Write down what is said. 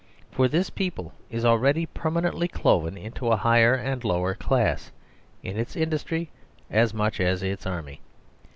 For this people is already permanently cloven into a higher and a lower class: in its industry as much as its army.